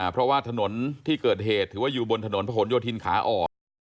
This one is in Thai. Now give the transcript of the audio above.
เพราะว่าถนนที่เกิดเหตุถือว่าอยู่บนถนนพระหลโยธินขาออก